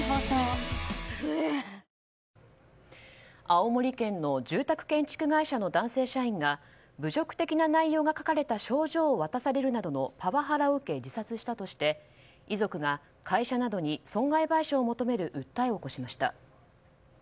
青森県の住宅建築会社の男性社員が侮辱的な内容が書かれた賞状を渡されるなどのパワハラを受け自殺したとして遺族が会社などに損害賠償を求める訴えを起こしました。